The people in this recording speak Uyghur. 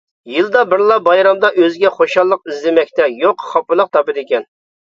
يىلدا بىرلا بايرامدا ئۆزىگە خۇشاللىق ئىزدىمەكتە يوق خاپىلىق تاپىدىكەن.